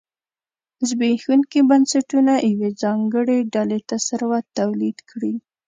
زبېښونکي بنسټونه یوې ځانګړې ډلې ته ثروت تولید کړي.